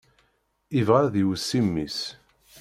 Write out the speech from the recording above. Ibɣa ad iweṣṣi mmi-s.